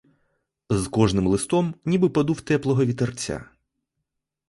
З кожним листом — ніби подув теплого вітерця.